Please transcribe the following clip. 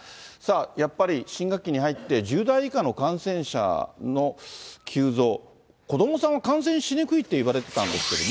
やっぱり、新学期に入って、１０代以下の感染者の急増、子どもさんは感染しにくいっていわれてたんですけども。